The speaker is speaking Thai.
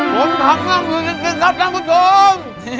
ผมทำข้าวคือจริงจริงครับท่านผู้โทษ